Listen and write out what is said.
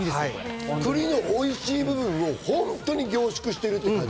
栗のおいしい部分を本当に凝縮してる感じ。